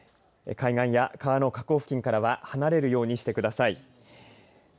海岸や川の河口付近からは離れるようにしてください。